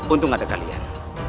untung ada kalian